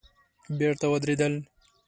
بېرته ودرېدل.